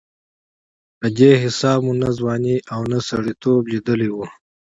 په دې حساب مو نه ځواني او نه سړېتوب لېدلې وه.